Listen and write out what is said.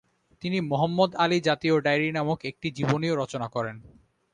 তিনি মুহাম্মদ আলী জাতীর ডায়েরি নামক একটি জীবনীও রচনা করেন।